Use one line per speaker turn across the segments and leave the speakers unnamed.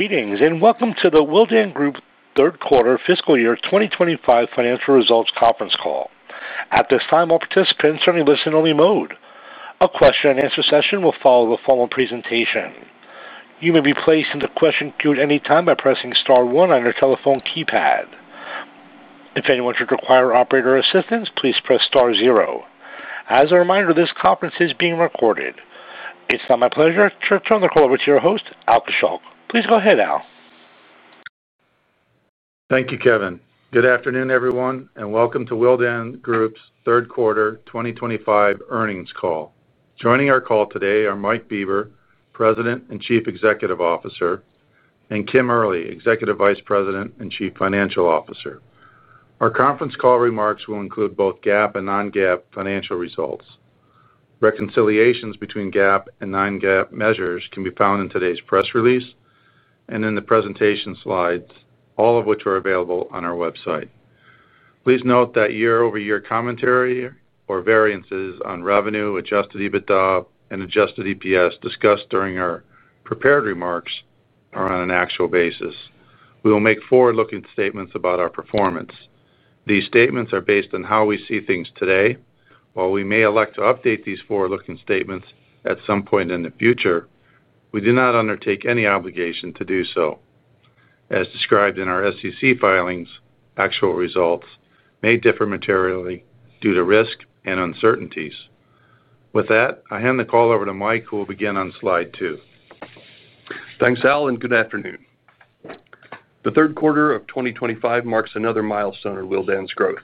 Greetings and welcome to the Willdan Group third quarter fiscal year 2025 financial results conference call. At this time, all participants are in a listen-only mode. A question-and-answer session will follow the formal presentation. You may be placed into question queue at any time by pressing star one on your telephone keypad. If anyone should require operator assistance, please press star zero. As a reminder, this conference is being recorded. It's now my pleasure to turn the call over to your host, Al Kaschalk. Please go ahead, Al.
Thank you, Kevin. Good afternoon, everyone, and welcome to Willdan Group's third quarter 2025 earnings call. Joining our call today are Mike Bieber, President and Chief Executive Officer, and Kim Early, Executive Vice President and Chief Financial Officer. Our conference call remarks will include both GAAP and non-GAAP financial results. Reconciliations between GAAP and non-GAAP measures can be found in today's press release and in the presentation slides, all of which are available on our website. Please note that year-over-year commentary or variances on revenue, adjusted EBITDA, and adjusted EPS discussed during our prepared remarks are on an actual basis. We will make forward-looking statements about our performance. These statements are based on how we see things today. While we may elect to update these forward-looking statements at some point in the future, we do not undertake any obligation to do so. As described in our SEC filings, actual results may differ materially due to risk and uncertainties. With that, I hand the call over to Mike, who will begin on slide 2.
Thanks, Al, and good afternoon. The third quarter of 2025 marks another milestone in Willdan's growth.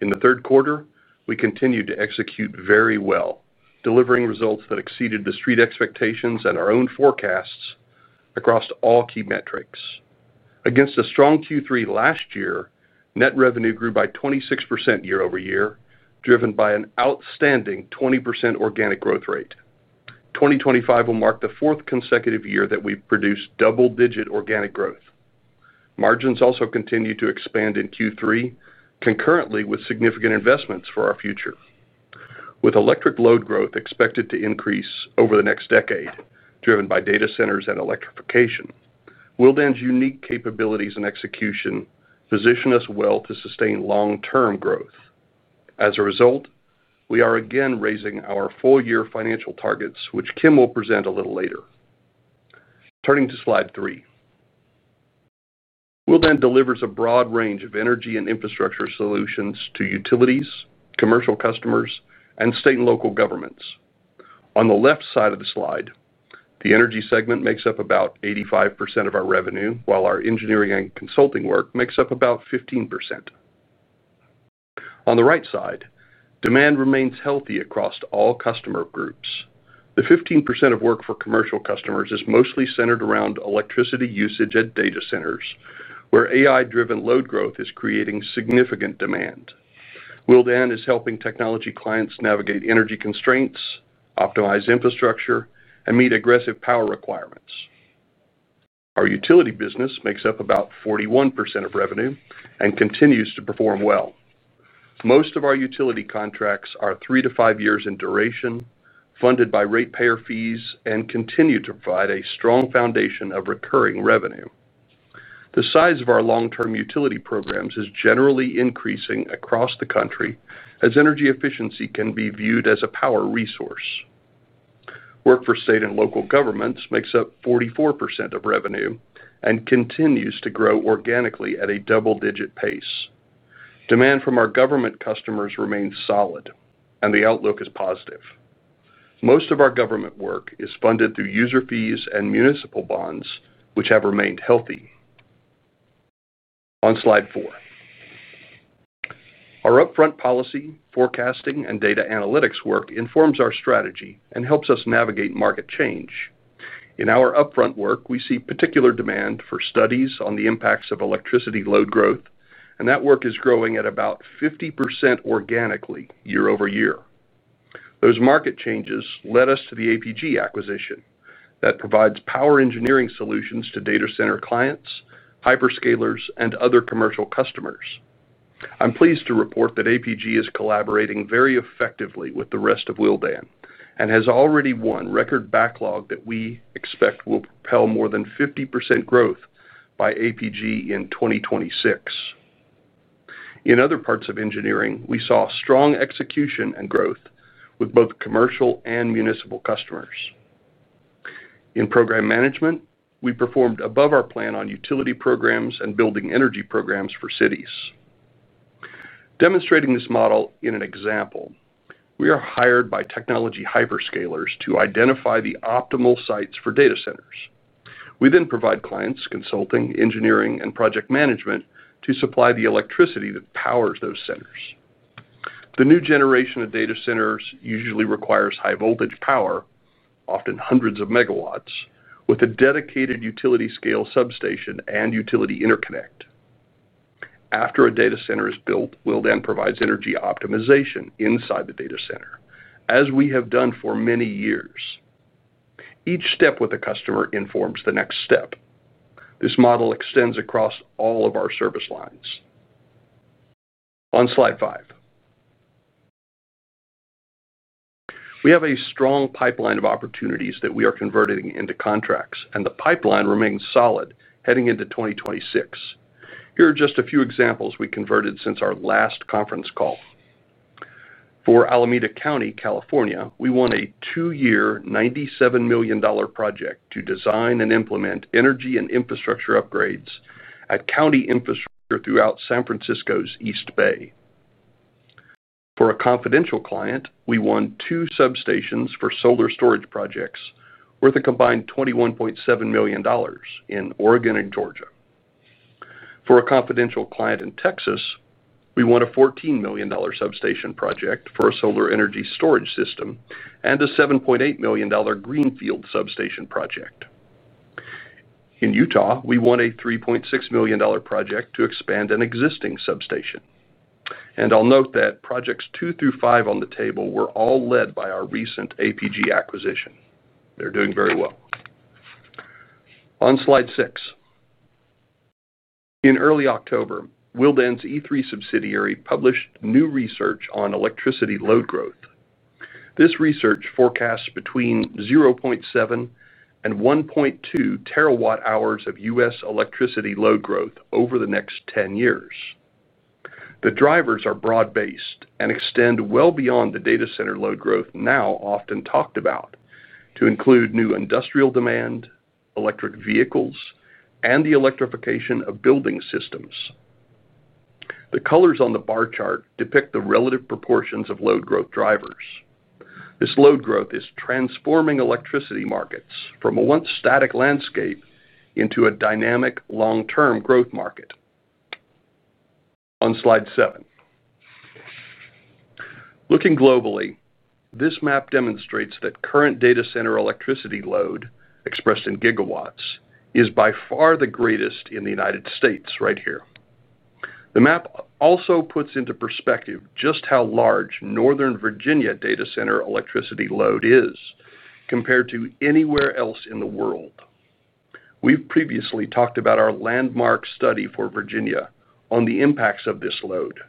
In the third quarter, we continued to execute very well, delivering results that exceeded the street expectations and our own forecasts across all key metrics. Against a strong Q3 last year, net revenue grew by 26% year-over-year, driven by an outstanding 20% organic growth rate. 2025 will mark the fourth consecutive year that we've produced double-digit organic growth. Margins also continue to expand in Q3, concurrently with significant investments for our future. With electric load growth expected to increase over the next decade, driven by data centers and electrification, Willdan's unique capabilities and execution position us well to sustain long-term growth. As a result, we are again raising our full-year financial targets, which Kim will present a little later. Turning to slide 3. Willdan delivers a broad range of energy and infrastructure solutions to utilities, commercial customers, and state and local governments. On the left side of the slide, the energy segment makes up about 85% of our revenue, while our engineering and consulting work makes up about 15%. On the right side, demand remains healthy across all customer groups. The 15% of work for commercial customers is mostly centered around electricity usage at data centers, where AI-driven load growth is creating significant demand. Willdan is helping technology clients navigate energy constraints, optimize infrastructure, and meet aggressive power requirements. Our utility business makes up about 41% of revenue and continues to perform well. Most of our utility contracts are three to five years in duration, funded by ratepayer fees, and continue to provide a strong foundation of recurring revenue. The size of our long-term utility programs is generally increasing across the country, as energy efficiency can be viewed as a power resource. Work for state and local governments makes up 44% of revenue and continues to grow organically at a double-digit pace. Demand from our government customers remains solid, and the outlook is positive. Most of our government work is funded through user fees and municipal bonds, which have remained healthy. On slide 4. Our upfront policy, forecasting, and data analytics work informs our strategy and helps us navigate market change. In our upfront work, we see particular demand for studies on the impacts of electricity load growth, and that work is growing at about 50% organically year-over-year. Those market changes led us to the APG acquisition that provides power engineering solutions to data center clients, hyperscalers, and other commercial customers. I'm pleased to report that APG is collaborating very effectively with the rest of Willdan and has already won record backlog that we expect will propel more than 50% growth by APG in 2026. In other parts of engineering, we saw strong execution and growth with both commercial and municipal customers. In program management, we performed above our plan on utility programs and building energy programs for cities. Demonstrating this model in an example, we are hired by technology hyperscalers to identify the optimal sites for data centers. We then provide clients consulting, engineering, and project management to supply the electricity that powers those centers. The new generation of data centers usually requires high-voltage power, often hundreds of megawatts, with a dedicated utility-scale substation and utility interconnect. After a data center is built, Willdan provides energy optimization inside the data center, as we have done for many years. Each step with a customer informs the next step. This model extends across all of our service lines. On slide 5, we have a strong pipeline of opportunities that we are converting into contracts, and the pipeline remains solid heading into 2026. Here are just a few examples we converted since our last conference call. For Alameda County, California, we won a two-year $97 million project to design and implement energy and infrastructure upgrades at county infrastructure throughout San Francisco's East Bay. For a confidential client, we won two substations for solar storage projects worth a combined $21.7 million in Oregon and Georgia. For a confidential client in Texas, we won a $14 million substation project for a solar energy storage system and a $7.8 million greenfield substation project. In Utah, we won a $3.6 million project to expand an existing substation. I'll note that projects 2 through 5 on the table were all led by our recent APG acquisition. They're doing very well. On slide 6. In early October, Willdan's E3 subsidiary published new research on electricity load growth. This research forecasts between 0.7 TWh and 1.2 TWh of U.S. electricity load growth over the next 10 years. The drivers are broad-based and extend well beyond the data center load growth now often talked about, to include new industrial demand, electric vehicles, and the electrification of building systems. The colors on the bar chart depict the relative proportions of load growth drivers. This load growth is transforming electricity markets from a once-static landscape into a dynamic long-term growth market. On slide 7. Looking globally, this map demonstrates that current data center electricity load, expressed in gigawatts, is by far the greatest in the United States right here. The map also puts into perspective just how large Northern Virginia data center electricity load is compared to anywhere else in the world. We've previously talked about our landmark study for Virginia on the impacts of this load,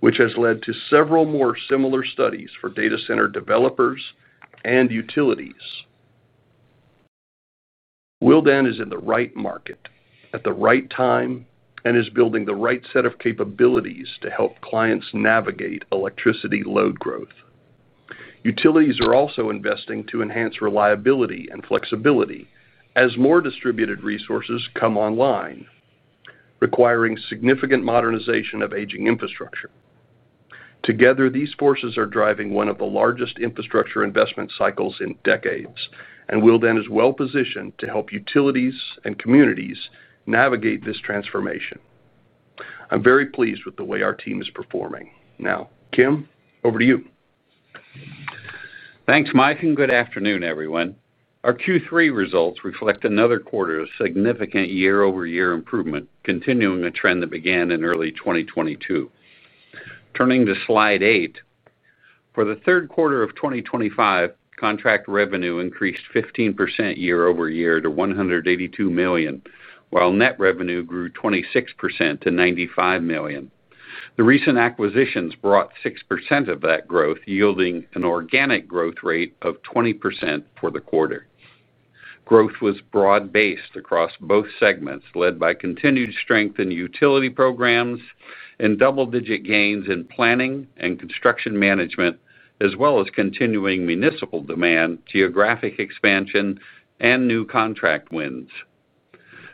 which has led to several more similar studies for data center developers and utilities. Willdan is in the right market at the right time and is building the right set of capabilities to help clients navigate electricity load growth. Utilities are also investing to enhance reliability and flexibility as more distributed resources come online, requiring significant modernization of aging infrastructure. Together, these forces are driving one of the largest infrastructure investment cycles in decades, and Willdan is well-positioned to help utilities and communities navigate this transformation. I'm very pleased with the way our team is performing. Now, Kim, over to you.
Thanks, Mike, and good afternoon, everyone. Our Q3 results reflect another quarter of significant year-over-year improvement, continuing a trend that began in early 2022. Turning to slide 8. For the third quarter of 2025, contract revenue increased 15% year-over-year to $182 million, while net revenue grew 26% to $95 million. The recent acquisitions brought 6% of that growth, yielding an organic growth rate of 20% for the quarter. Growth was broad-based across both segments, led by continued strength in utility programs and double-digit gains in planning and construction management, as well as continuing municipal demand, geographic expansion, and new contract wins.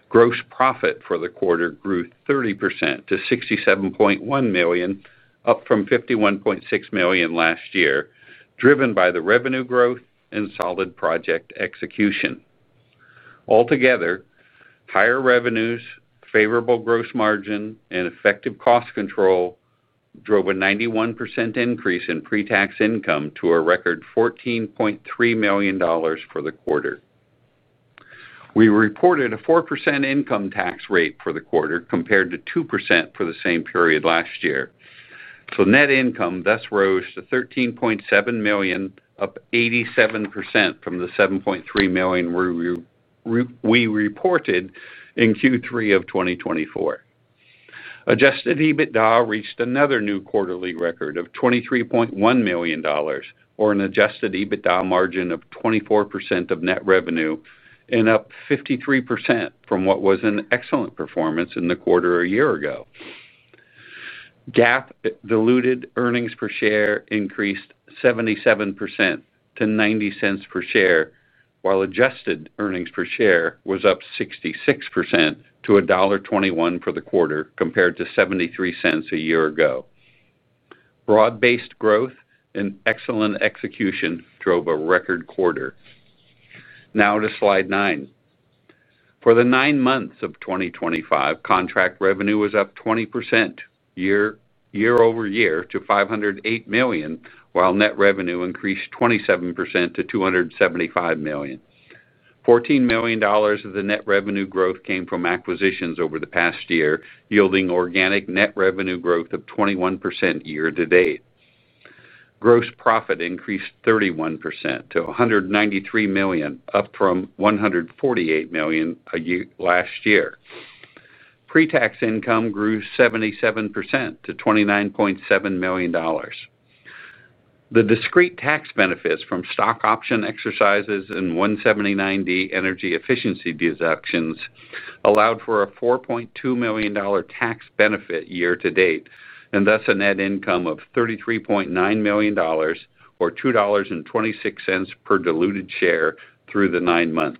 Gross profit for the quarter grew 30% to $67.1 million, up from $51.6 million last year, driven by the revenue growth and solid project execution. Altogether, higher revenues, favorable gross margin, and effective cost control. Drove a 91% increase in pre-tax income to a record $14.3 million for the quarter. We reported a 4% income tax rate for the quarter compared to 2% for the same period last year. Net income thus rose to $13.7 million, up 87% from the $7.3 million we reported in Q3 of 2024. Adjusted EBITDA reached another new quarterly record of $23.1 million, or an adjusted EBITDA margin of 24% of net revenue, and up 53% from what was an excellent performance in the quarter a year ago. GAAP diluted earnings per share increased 77% to $0.90 per share, while adjusted earnings per share was up 66% to $1.21 for the quarter, compared to $0.73 a year ago. Broad-based growth and excellent execution drove a record quarter. Now to slide 9. For the nine months of 2025, contract revenue was up 20%. Year-over-year to $508 million, while net revenue increased 27% to $275 million. $14 million of the net revenue growth came from acquisitions over the past year, yielding organic net revenue growth of 21% year-to-date. Gross profit increased 31% to $193 million, up from $148 million last year. Pre-tax income grew 77% to $29.7 million. The discrete tax benefits from stock option exercises and 179D energy efficiency deductions allowed for a $4.2 million tax benefit year-to-date, and thus a net income of $33.9 million, or $2.26 per diluted share through the nine months.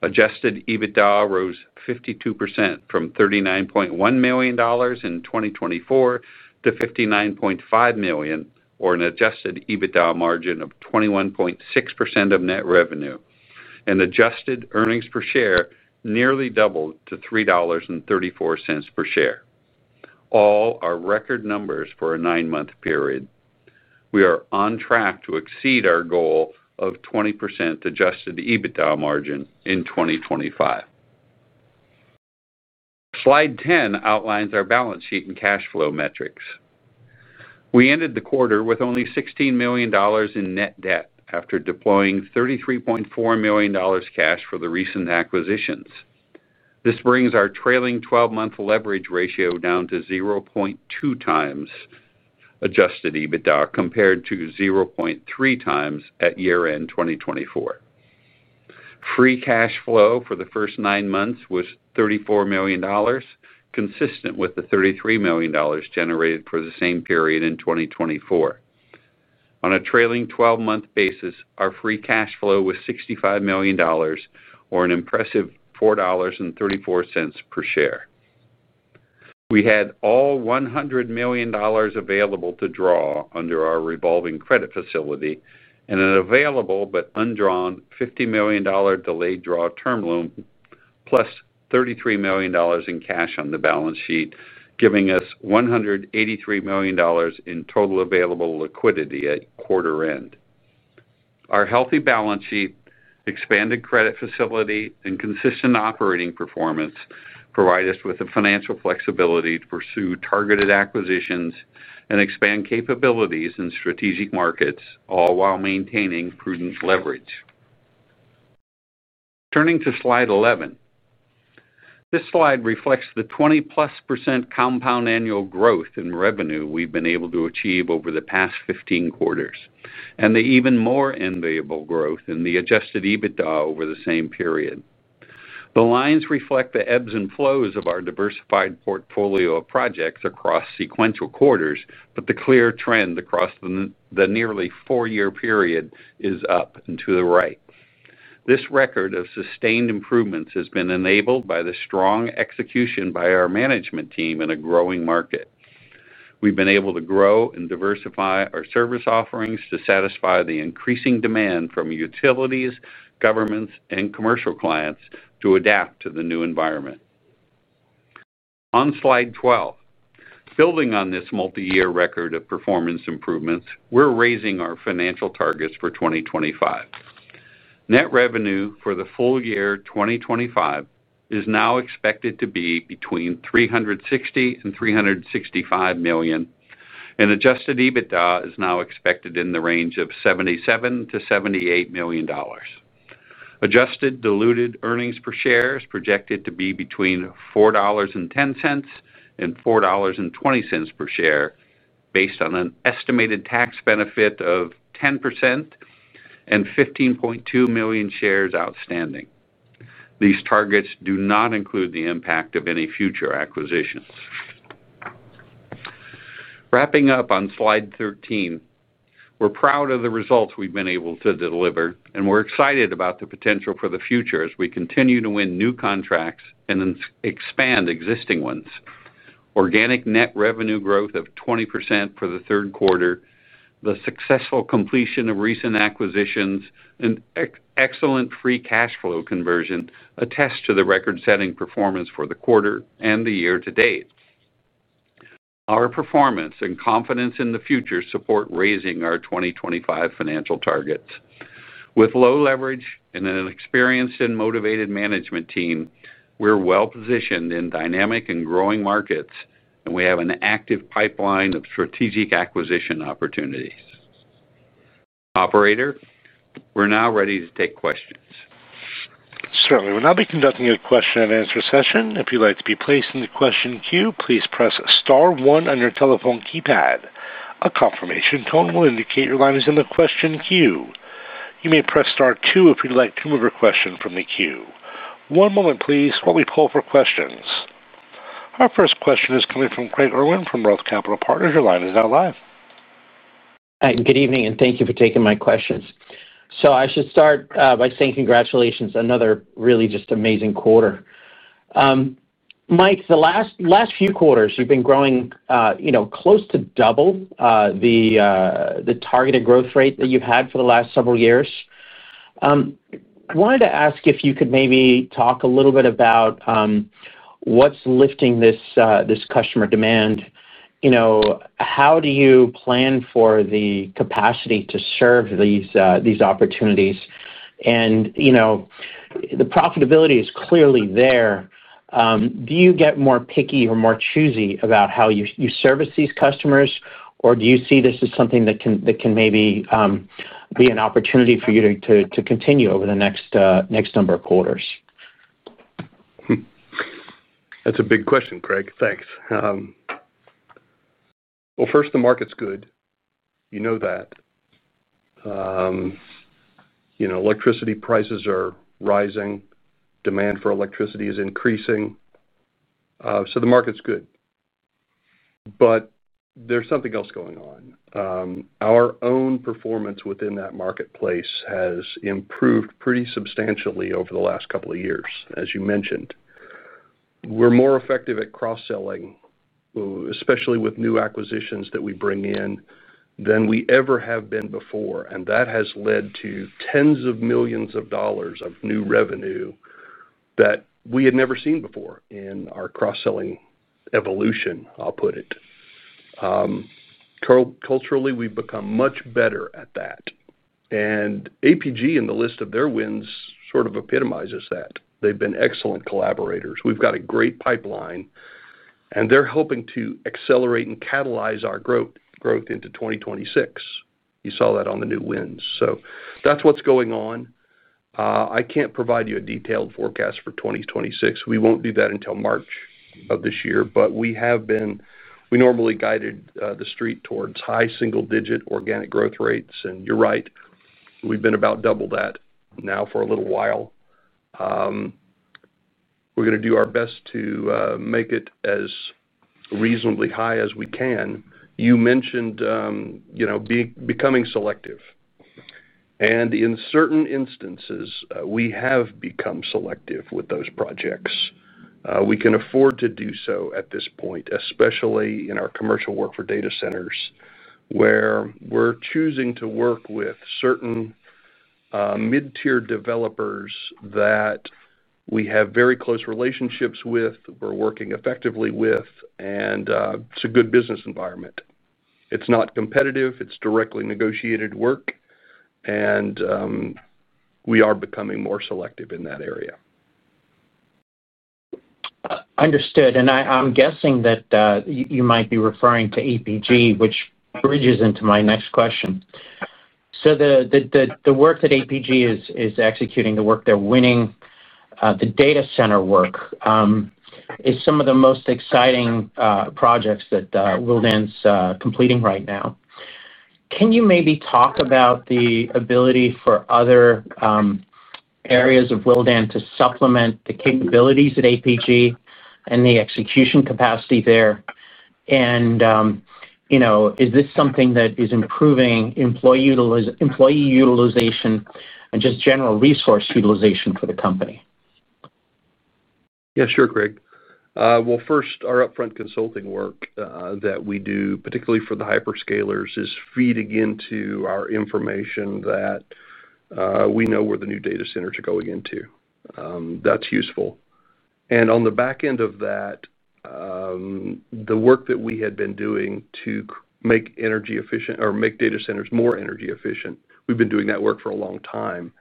Adjusted EBITDA rose 52% from $39.1 million in 2024 to $59.5 million, or an adjusted EBITDA margin of 21.6% of net revenue, and adjusted earnings per share nearly doubled to $3.34 per share. All are record numbers for a nine-month period. We are on track to exceed our goal of 20% adjusted EBITDA margin in 2025. Slide 10 outlines our balance sheet and cash flow metrics. We ended the quarter with only $16 million in net debt after deploying $33.4 million cash for the recent acquisitions. This brings our trailing 12-month leverage ratio down to 0.2x adjusted EBITDA compared to 0.3x at year-end 2024. Free cash flow for the first nine months was $34 million, consistent with the $33 million generated for the same period in 2024. On a trailing 12-month basis, our free cash flow was $65 million. Or an impressive $4.34 per share. We had all $100 million available to draw under our revolving credit facility and an available but undrawn $50 million delayed draw term loan, plus $33 million in cash on the balance sheet, giving us $183 million in total available liquidity at quarter end. Our healthy balance sheet, expanded credit facility, and consistent operating performance provide us with the financial flexibility to pursue targeted acquisitions and expand capabilities in strategic markets, all while maintaining prudent leverage. Turning to slide 11. This slide reflects the 20%+ compound annual growth in revenue we've been able to achieve over the past 15 quarters, and the even more unbearable growth in the adjusted EBITDA over the same period. The lines reflect the ebbs and flows of our diversified portfolio of projects across sequential quarters, but the clear trend across the nearly four-year period is up and to the right. This record of sustained improvements has been enabled by the strong execution by our management team in a growing market. We've been able to grow and diversify our service offerings to satisfy the increasing demand from utilities, governments, and commercial clients to adapt to the new environment. On slide 12. Building on this multi-year record of performance improvements, we're raising our financial targets for 2025. Net revenue for the full year 2025 is now expected to be between $360 million and $365 million, and adjusted EBITDA is now expected in the range of $77 million-$78 million. Adjusted diluted earnings per share is projected to be between $4.10 and $4.20 per share, based on an estimated tax benefit of 10% and 15.2 million shares outstanding. These targets do not include the impact of any future acquisitions. Wrapping up on slide 13. We're proud of the results we've been able to deliver, and we're excited about the potential for the future as we continue to win new contracts and expand existing ones. Organic net revenue growth of 20% for the third quarter, the successful completion of recent acquisitions, and excellent free cash flow conversion attest to the record-setting performance for the quarter and the year to date. Our performance and confidence in the future support raising our 2025 financial targets. With low leverage and an experienced and motivated management team, we're well-positioned in dynamic and growing markets, and we have an active pipeline of strategic acquisition opportunities. Operator, we're now ready to take questions.
Certainly. We'll now be conducting a question-and-answer session. If you'd like to be placed in the question queue, please press star one on your telephone keypad. A confirmation tone will indicate your line is in the question queue. You may press star two if you'd like to move your question from the queue. One moment, please, while we pull up our questions. Our first question is coming from Craig Irwin from Roth Capital Partners. Your line is now live.
Good evening, and thank you for taking my questions. I should start by saying congratulations on another really just amazing quarter. Mike, the last few quarters, you've been growing close to double the targeted growth rate that you've had for the last several years. I wanted to ask if you could maybe talk a little bit about what's lifting this customer demand. How do you plan for the capacity to serve these opportunities? The profitability is clearly there. Do you get more picky or more choosy about how you service these customers, or do you see this as something that can maybe be an opportunity for you to continue over the next number of quarters?
That's a big question, Craig. Thanks. First, the market's good. You know that. Electricity prices are rising. Demand for electricity is increasing. The market's good. There's something else going on. Our own performance within that marketplace has improved pretty substantially over the last couple of years, as you mentioned. We're more effective at cross-selling, especially with new acquisitions that we bring in, than we ever have been before. That has led to tens of millions of dollars of new revenue that we had never seen before in our cross-selling evolution, I'll put it. Culturally, we've become much better at that. APG, in the list of their wins, sort of epitomizes that. They've been excellent collaborators. We've got a great pipeline, and they're hoping to accelerate and catalyze our growth into 2026. You saw that on the new wins. That's what's going on. I can't provide you a detailed forecast for 2026. We won't do that until March of this year. We have been—we normally guided the street towards high single-digit organic growth rates. You're right. We've been about double that now for a little while. We're going to do our best to make it as reasonably high as we can. You mentioned becoming selective. In certain instances, we have become selective with those projects. We can afford to do so at this point, especially in our commercial work for data centers, where we're choosing to work with certain mid-tier developers that we have very close relationships with, we're working effectively with, and it's a good business environment. It's not competitive. It's directly negotiated work. We are becoming more selective in that area.
Understood. I'm guessing that you might be referring to APG, which bridges into my next question. The work that APG is executing, the work they're winning, the data center work, is some of the most exciting projects that Willdan's completing right now. Can you maybe talk about the ability for other areas of Willdan to supplement the capabilities at APG and the execution capacity there? Is this something that is improving employee utilization and just general resource utilization for the company?
Yeah, sure, Craig. First, our upfront consulting work that we do, particularly for the hyperscalers, is feeding into our information that we know where the new data centers are going into. That's useful. On the back end of that, the work that we had been doing to make energy efficient or make data centers more energy efficient, we've been doing that work for a long time,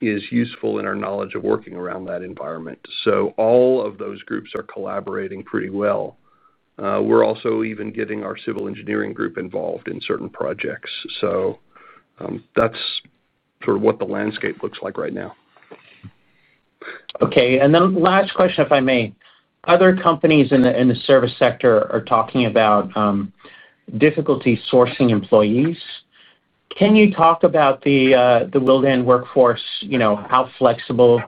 is useful in our knowledge of working around that environment. All of those groups are collaborating pretty well. We're also even getting our civil engineering group involved in certain projects. That's sort of what the landscape looks like right now.
Okay. And then last question, if I may. Other companies in the service sector are talking about difficulty sourcing employees. Can you talk about the Willdan workforce, how flexible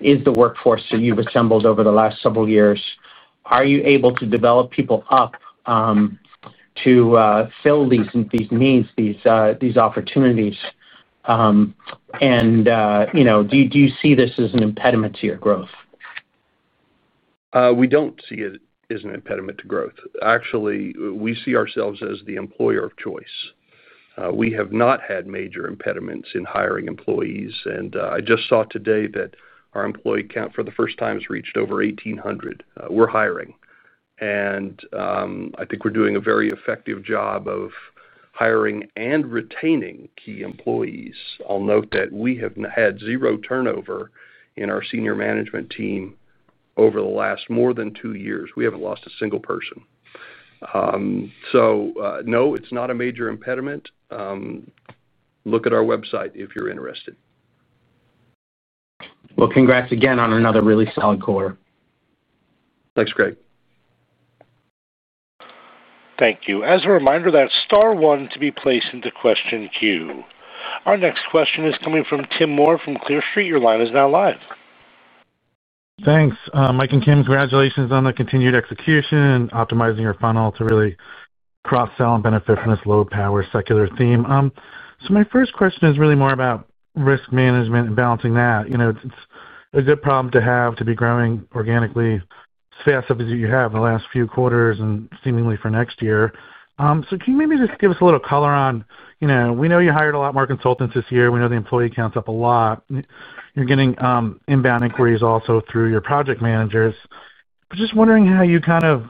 is the workforce that you've assembled over the last several years? Are you able to develop people up to fill these needs, these opportunities? Do you see this as an impediment to your growth?
We do not see it as an impediment to growth. Actually, we see ourselves as the employer of choice. We have not had major impediments in hiring employees. I just saw today that our employee count for the first time has reached over 1,800. We are hiring. I think we are doing a very effective job of hiring and retaining key employees. I will note that we have had zero turnover in our senior management team over the last more than two years. We have not lost a single person. No, it is not a major impediment. Look at our website if you are interested.
Congrats again on another really solid quarter.
Thanks, Craig.
Thank you. As a reminder, that's star one to be placed into question queue. Our next question is coming from Tim Moore from Clear Street. Your line is now live.
Thanks, Mike and Kim. Congratulations on the continued execution and optimizing your funnel to really cross-sell and benefit from this low-power secular theme. My first question is really more about risk management and balancing that. It's a good problem to have to be growing organically as fast as you have in the last few quarters and seemingly for next year. Can you maybe just give us a little color on—we know you hired a lot more consultants this year. We know the employee count's up a lot. You're getting inbound inquiries also through your project managers. Just wondering how you kind of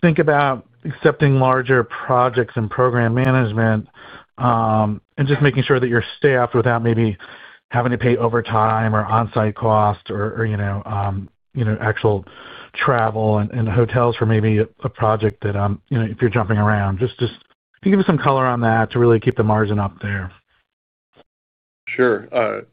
think about accepting larger projects and program management. Just making sure that you're staffed without maybe having to pay overtime or on-site cost or actual travel and hotels for maybe a project that if you're jumping around. Just can you give us some color on that to really keep the margin up there?
Sure.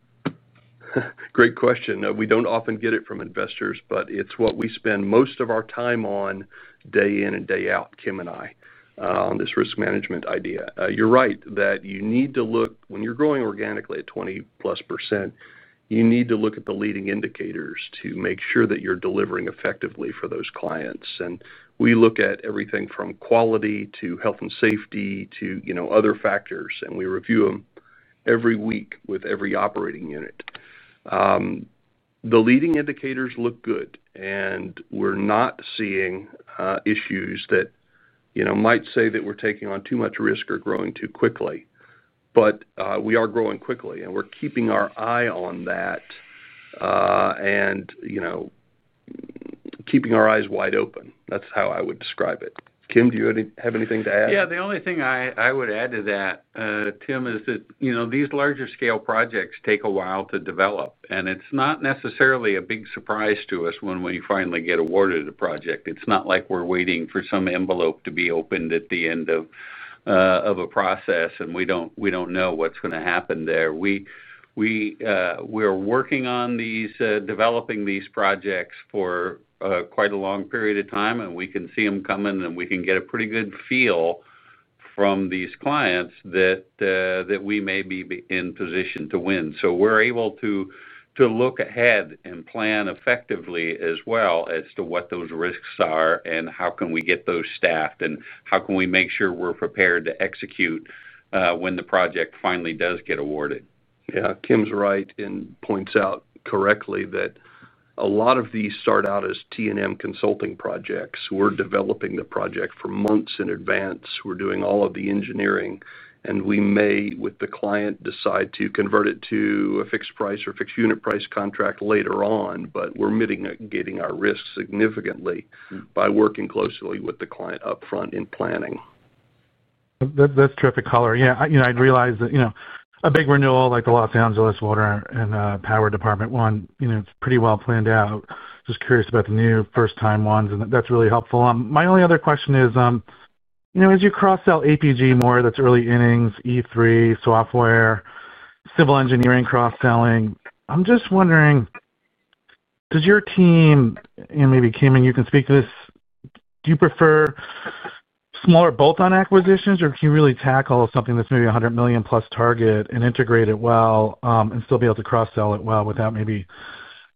Great question. We do not often get it from investors, but it is what we spend most of our time on. Day in and day out, Kim and I, on this risk management idea. You are right that you need to look—when you are growing organically at 20%+—you need to look at the leading indicators to make sure that you are delivering effectively for those clients. We look at everything from quality to health and safety to other factors. We review them every week with every operating unit. The leading indicators look good. We are not seeing issues that might say that we are taking on too much risk or growing too quickly. We are growing quickly. We are keeping our eye on that. Keeping our eyes wide open. That is how I would describe it. Kim, do you have anything to add?
Yeah. The only thing I would add to that, Tim, is that these larger-scale projects take a while to develop. It's not necessarily a big surprise to us when we finally get awarded a project. It's not like we're waiting for some envelope to be opened at the end of a process, and we don't know what's going to happen there. We are working on developing these projects for quite a long period of time. We can see them coming, and we can get a pretty good feel from these clients that we may be in position to win. We're able to look ahead and plan effectively as well as to what those risks are and how can we get those staffed and how can we make sure we're prepared to execute when the project finally does get awarded.
Yeah. Kim's right and points out correctly that a lot of these start out as T&M consulting projects. We're developing the project for months in advance. We're doing all of the engineering. We may, with the client, decide to convert it to a fixed-price or fixed-unit price contract later on. We're mitigating our risk significantly by working closely with the client upfront in planning.
That's terrific color. Yeah. I realize that a big renewal like the Los Angeles Water and Power Department one, it's pretty well planned out. Just curious about the new first-time ones. That's really helpful. My only other question is, as you cross-sell APG more, that's early innings, E3, software, civil engineering cross-selling. I'm just wondering, does your team—and maybe Kim, and you can speak to this—do you prefer smaller bolt-on acquisitions? Or can you really tackle something that's maybe a $100 million+ target and integrate it well and still be able to cross-sell it well without maybe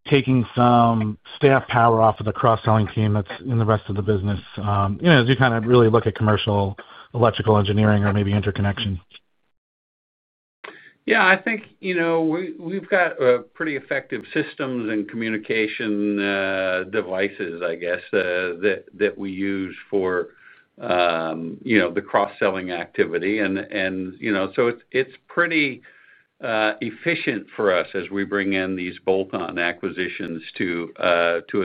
taking some staff power off of the cross-selling team that's in the rest of the business? As you kind of really look at commercial electrical engineering or maybe interconnection.
Yeah. I think we've got pretty effective systems and communication devices, I guess, that we use for the cross-selling activity. It is pretty efficient for us as we bring in these bolt-on acquisitions to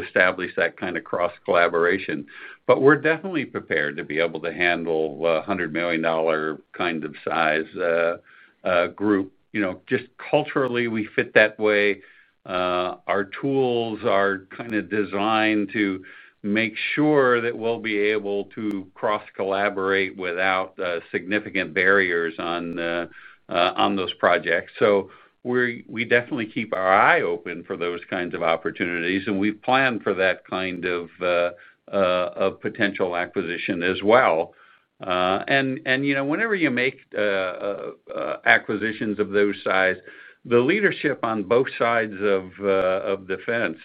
establish that kind of cross-collaboration. We are definitely prepared to be able to handle a $100 million kind of size group. Just culturally, we fit that way. Our tools are kind of designed to make sure that we'll be able to cross-collaborate without significant barriers on those projects. We definitely keep our eye open for those kinds of opportunities. We have planned for that kind of potential acquisition as well. Whenever you make acquisitions of those size, the leadership on both sides of. The fence,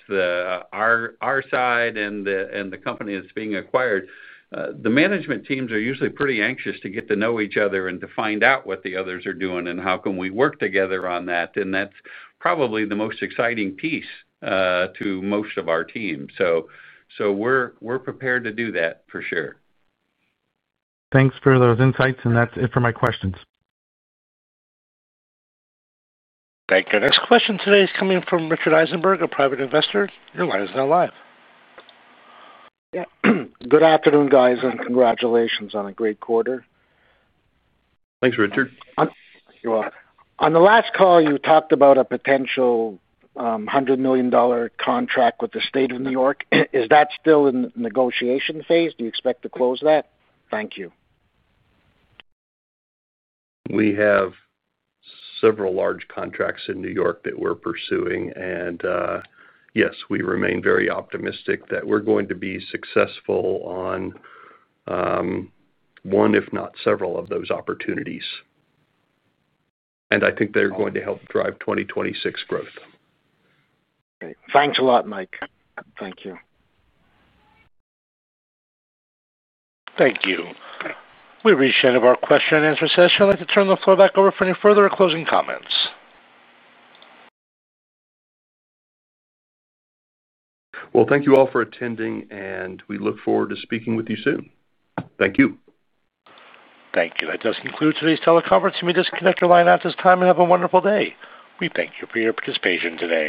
our side and the company that's being acquired, the management teams are usually pretty anxious to get to know each other and to find out what the others are doing and how can we work together on that. That is probably the most exciting piece to most of our team. We are prepared to do that for sure.
Thanks for those insights. That is it for my questions.
Thank you. Next question today is coming from Richard Eisenberg, a private investor. Your line is now live.
Good afternoon, guys. Congratulations on a great quarter.
Thanks, Richard.
You're welcome. On the last call, you talked about a potential $100 million contract with the state of New York. Is that still in the negotiation phase? Do you expect to close that? Thank you.
We have several large contracts in New York that we're pursuing. Yes, we remain very optimistic that we're going to be successful on one, if not several, of those opportunities. I think they're going to help drive 2026 growth.
Great. Thanks a lot, Mike. Thank you.
Thank you. We've reached the end of our question-and-answer session. I'd like to turn the floor back over for any further closing comments.
Thank you all for attending. We look forward to speaking with you soon. Thank you.
Thank you. That does conclude today's teleconference. You may disconnect your line at this time and have a wonderful day. We thank you for your participation today.